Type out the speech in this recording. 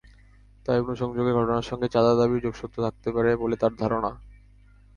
তাই অগ্নিসংযোগের ঘটনার সঙ্গে চাঁদা দাবির যোগসূত্র থাকতে পারে বলে তাঁর ধারণা।